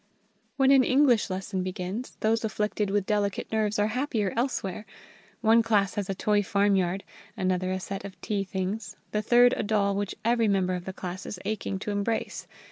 When an English lesson begins, those afflicted with delicate nerves are happier elsewhere. One class has a toy farmyard, another a set of tea things, the third a doll which every member of the class is aching to embrace.